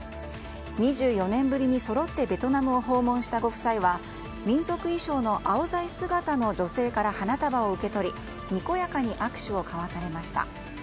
２４年ぶりに、そろってベトナムを訪問したご夫妻は民族衣装のアオザイ姿の女性から花束を受け取りにこやかに握手を交わされました。